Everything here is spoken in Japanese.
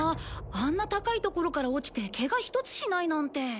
あんな高い所から落ちてケガ一つしないなんて。